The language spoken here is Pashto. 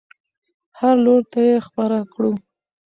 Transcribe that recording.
هر لور ته یې خپره کړو.